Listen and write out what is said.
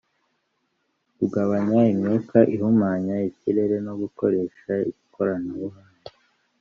kugabanya imyuka ihumanya ikirere no gukoresha ikoranabuhanga